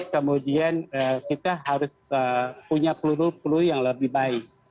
kemudian kita harus punya peluru peluru yang lebih baik